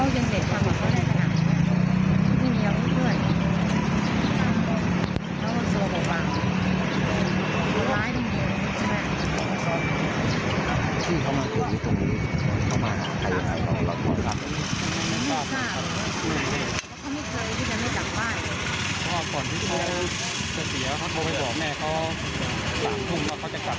เดี๋ยวเขาโทรไปบอกแม่เขา๓ทุ่มแล้วเขาจะกลับบ้าน๔ทุ่ม